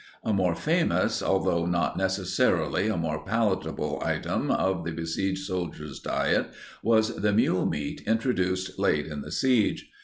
A more famous, although not necessarily a more palatable, item of the besieged soldiers' diet was the mule meat introduced late in the siege.